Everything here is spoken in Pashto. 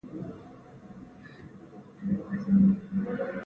د بانک مالک یوه اندازه پیسې په پور ورکوي